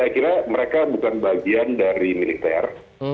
saya kira mereka bukan bagian dari militer